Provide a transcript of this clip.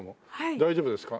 大丈夫ですか？